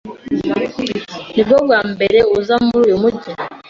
Nibwo bwambere uza muri uyu mujyi?